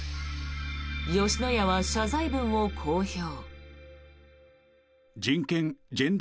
吉野家は謝罪文を公表。